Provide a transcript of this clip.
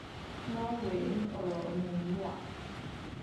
拉韦尔努瓦。